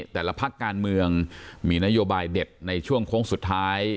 แต่ละพักการเมืองมีนโยบายเด็ดในช่วงโค้งสุดท้าย